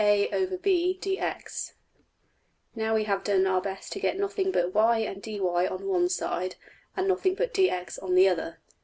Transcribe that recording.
\end{align*} Now we have done our best to get nothing but $y$~and~$dy$ on one side, and nothing but $dx$ on the other.